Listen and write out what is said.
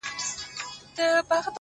د تجربې ښوونځی تل پرانیستی وي!